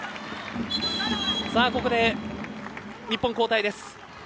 ここで日本、交代です。